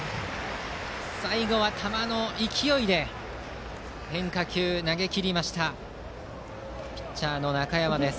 最後は球の勢いで変化球を投げきりましたピッチャーの中山です。